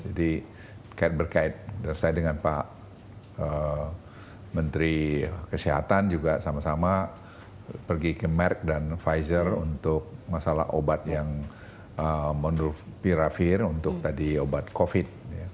jadi berkait berkait saya dengan pak menteri kesehatan juga sama sama pergi ke merck dan pfizer untuk masalah obat yang monopiravir untuk tadi obat covid